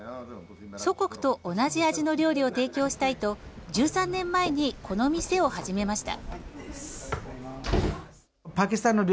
祖国と同じ味の料理を提供したいと１３年前にこの店を始めました。